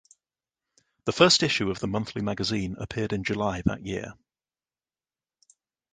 The first issue of the monthly magazine appeared in July that year.